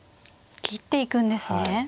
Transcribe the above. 切っていくんですね。